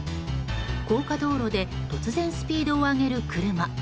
高架道路で突然スピードを上げる車。